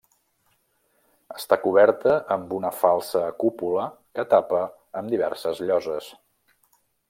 Està coberta amb una falsa cúpula que tapa amb diverses lloses.